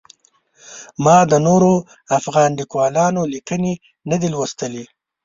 ما د نورو افغان لیکوالانو لیکنې نه دي لوستلي.